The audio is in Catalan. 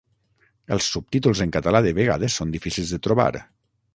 Els subtítols en català de vegades són difícils de trobar.